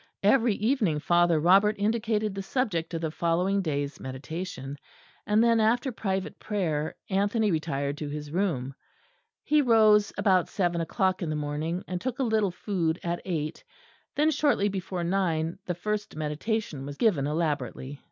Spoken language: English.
Every evening Father Robert indicated the subject of the following day's meditation; and then after private prayer Anthony retired to his room. He rose about seven o'clock in the morning, and took a little food at eight; then shortly before nine the first meditation was given elaborately.